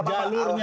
semua ada jalurnya